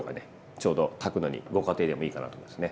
ちょうど炊くのにご家庭でもいいかなと思いますね。